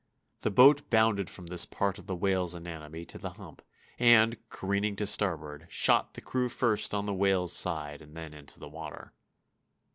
The boat bounded from this part of the whale's anatomy to the hump, and, careening to starboard, shot the crew first on the whale's side and then into the water.